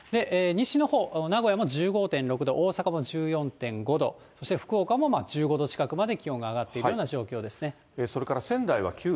西のほう、名古屋も１５．６度、大阪も１４．５度、そして福岡も１５度近くまで気温が上がっているような状況ですね。